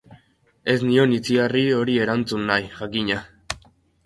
Ez nion Itziarri hori erantzun nahi, jakina.